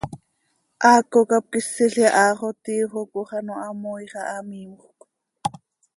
Haaco cop quisil iha xo tiix oo coox an hamoii xah hamiimjöc.